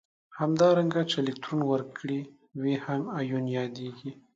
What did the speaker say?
همدارنګه چې الکترون ورکړی وي هم ایون یادیږي.